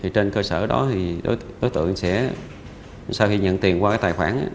trên cơ sở đó đối tượng sẽ sau khi nhận tiền qua tài khoản